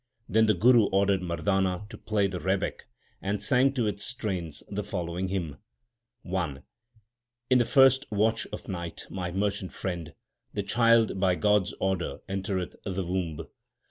Then the Guru ordered Mardana to play the rebeck, and sang to its strains the following hymn : I In the first watch of night, my merchant friend, the child by God s order entereth the womb.